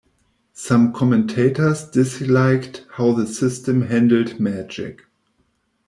Some commentators disliked how the system handled magic.